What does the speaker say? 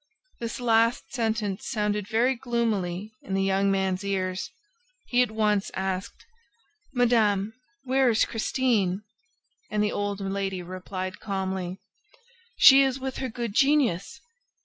This last sentence sounded very gloomily in the young man's ears. He at once asked: "Madame ... where is Christine?" And the old lady replied calmly: "She is with her good genius!"